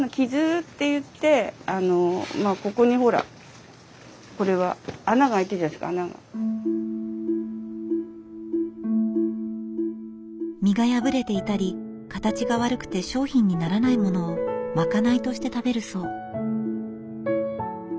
ここにほらこれは身が破れていたり形が悪くて商品にならないものをまかないとして食べるそう。